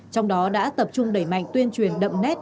trong đó đã tập trung đẩy mạnh tuyên truyền đậm nét